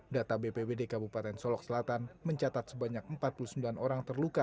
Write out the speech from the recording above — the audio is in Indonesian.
data bpwd kabupaten solok selatan mencatat sebanyak empat puluh sembilan orang terluka